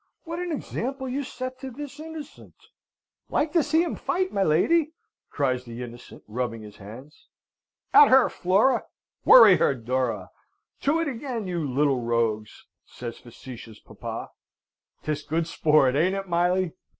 "What an example you set to this Innocent!" "Like to see 'em fight, my lady!" cries the Innocent, rubbing his hands. "At her, Flora! Worry her, Dora! To it again, you little rogues!" says facetious papa. 'Tis good sport, ain't it, Miley?"